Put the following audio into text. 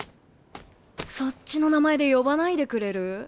そっちの名前で呼ばないでくれる？